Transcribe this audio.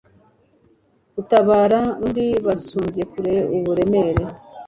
gutabara undi busumbye kure uburemere